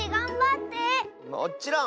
もっちろん！